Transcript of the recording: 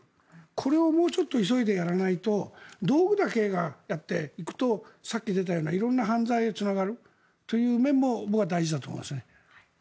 これをもうちょっと急いでやらないと道具だけが行くとさっき出たような色んな犯罪につながるという面も僕は大事だと思いますね。